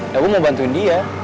nah gue mau bantuin dia